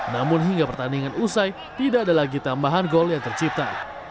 namun hingga pertandingan usai tidak ada lagi tambahan gol yang tercipta